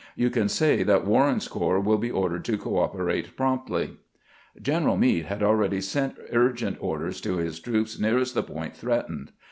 You can say that Warren's corps wiU be ordered to cooperate promptly." General Meade had already sent urgent orders to his troops nearest the point threatened.